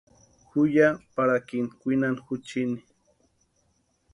Ju ya parakini kwinani juchini.